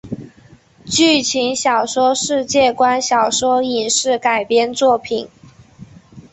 剧情小说世界观小说影视改编作品